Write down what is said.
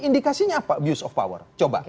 indikasinya apa abuse of power coba